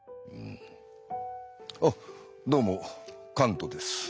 あっどうもカントです。